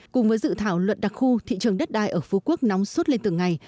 cùng với dự thảo luận đặc khu thị trường đất đai ở phú quốc nóng suốt lên từng ngày